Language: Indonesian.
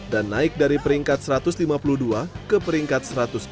dan naik dari peringkat satu ratus lima puluh dua ke peringkat satu ratus empat puluh tujuh